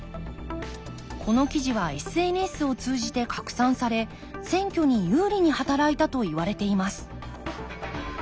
この記事はＳＮＳを通じて拡散され選挙に有利に働いたといわれています